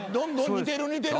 似てる似てる。